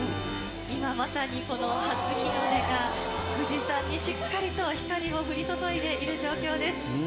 今まさに、この初日の出が、富士山にしっかりと光を降り注いでいる状況です。